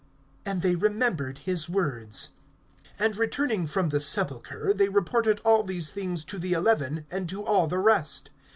(8)And they remembered his words. (9)And returning from the sepulchre, they reported all these things to the eleven, and to all the rest.